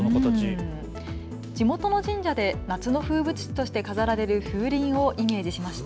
地元の神社で夏の風物詩として飾られる風鈴をイメージしました。